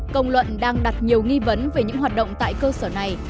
công luận đang đặt nhiều nghi vấn về những hoạt động tại cơ sở này